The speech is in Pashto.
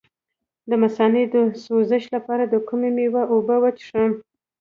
د مثانې د سوزش لپاره د کومې میوې اوبه وڅښم؟